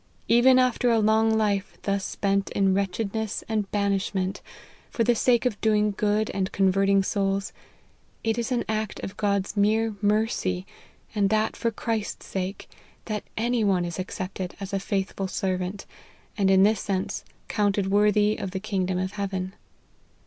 Even after a long life thus spent in wretchedness and banishment, for the sake of doing good and convert ing souls, it is an act of God's mere mercy, and that for Christ's sake, that any one is accepted as a faithful servant, and in this sense, counted worthy of the kingdom of heaven.